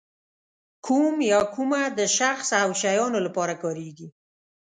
کوم یا کومه د شخص او شیانو لپاره کاریږي.